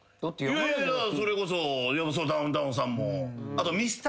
それこそダウンタウンさんもあと。